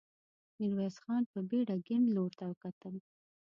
ميرويس خان په بېړه کيڼ لور ته وکتل.